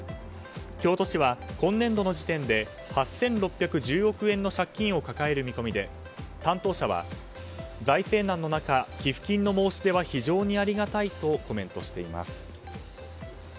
京都市は今年度の時点で８６１０億円の借金を抱える見込みで担当者は財政難の中寄付金の申し出は非常にありがたいとコメントしています。